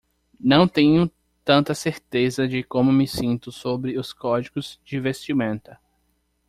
Não tenho tanta certeza de como me sinto sobre os códigos de vestimenta.